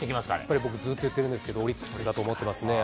これ、僕、ずっと言ってるんですけど、オリックスだと思ってますね。